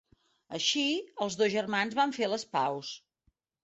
Així els dos germans van fer les paus.